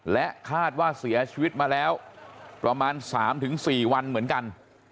และคาดว่าเสียชีวิตมาแล้วประมาณ๓๔วันเหมือนกัน